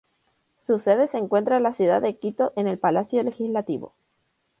Su sede se encuentra en la ciudad de Quito en el Palacio Legislativo.